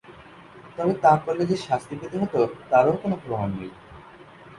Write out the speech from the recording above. তবে তা করলে যে শাস্তি পেতে হত, তারও কোনো প্রমাণ নেই।